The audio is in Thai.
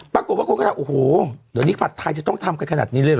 ปรากฏว่าคนก็ถามโอ้โหเดี๋ยวนี้ผัดไทยจะต้องทำกันขนาดนี้เลยเหรอ